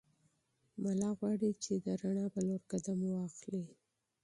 ملا غواړي چې د رڼا په لور قدم واخلي.